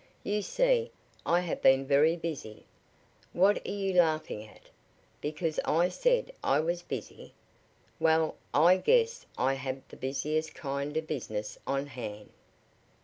You see, I have been very busy. What are you laughing at? Because I said I was busy? Well, I guess I have the busiest kind of business on hand.